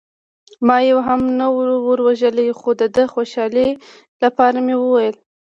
ما یو هم نه و وژلی، خو د ده د خوشحالۍ لپاره مې وویل.